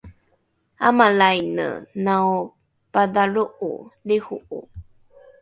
’amalraine naopadhalro’o lriho’o